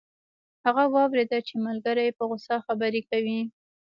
هغه واوریدل چې ملګری یې په غوسه خبرې کوي